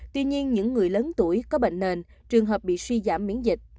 tuy nhiên những người lớn tuổi có bệnh nền trường hợp bị suy giảm miễn dịch